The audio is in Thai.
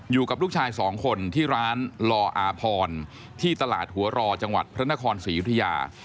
อยู่กับลูกชายสองคนที่ร้านลออาพรที่ตลาดหัวรอจังหวัดพระนครศรียุธยา